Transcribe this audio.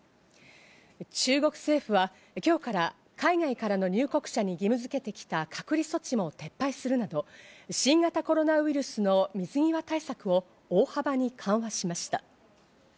中国政府は今日から海外からの入国者に義務付けてきた隔離措置も撤廃するなど新型コロナウイルスの水際対策を大幅に緩和しました。